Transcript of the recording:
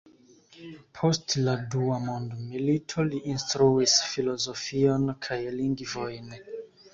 Post la dua mondmilito li instruis filozofion kaj lingvojn.